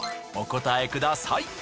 お答えください。